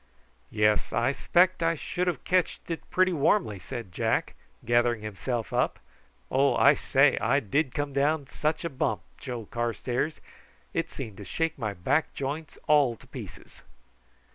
"Yes, I 'spect I should have ketched it pretty warmly," said Jack, gathering himself up. "Oh, I say, I did come down such a bump, Joe Carstairs. It seemed to shake my back joints all to pieces."